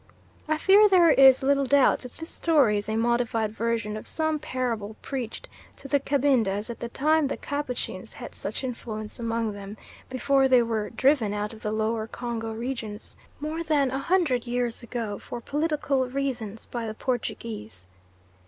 I fear there is little doubt that this story is a modified version of some parable preached to the Cabindas at the time the Capuchins had such influence among them, before they were driven out of the lower Congo regions more than a hundred years ago, for political reasons by the Portuguese.